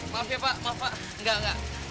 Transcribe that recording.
maaf ya pak maaf pak